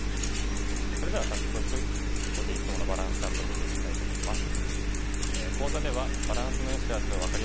それでは早速ここでいつものバランスチャートを見てみたいと思います。